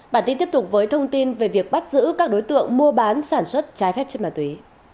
bản tin tiếp tục với thông tin về việc bắt giữ các đối tượng mua bán sản xuất trái phép chất ma túy